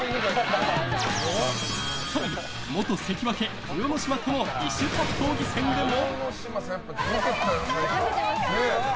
更に元関脇・豊ノ島との異種格闘技戦でも。